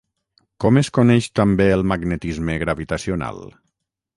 Com es coneix també el magnetisme gravitacional?